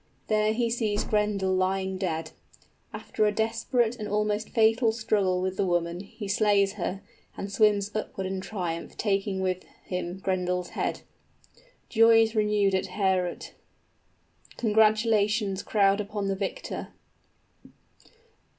There he sees Grendel lying dead. After a desperate and almost fatal struggle with the woman, he slays her, and swims upward in triumph, taking with him Grendel's head._ _Joy is renewed at Heorot. Congratulations crowd upon the victor.